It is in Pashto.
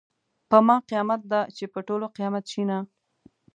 په ما قیامت ده چې په ټولو قیامت شینه .